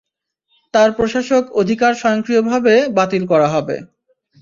তার প্রশাসক অধিকার স্বয়ংক্রিয়ভাবে বাতিল করা হবে।